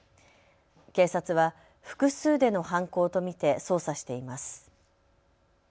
警察は複数での犯行と見て捜査しています。